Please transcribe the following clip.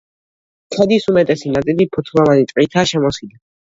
ქედის უმეტესი ნაწილი ფოთლოვანი ტყითაა შემოსილი.